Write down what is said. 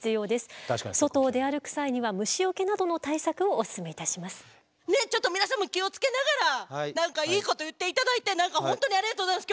おっしゃるとおりねっちょっと皆さんも気を付けながら何かいいこと言って頂いて本当にありがとうございます。